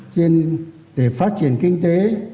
xin để phát triển kinh tế